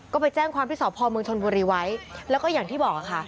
ก็ไปแจ้งความที่สอบพอเมืองชนบุรีไว้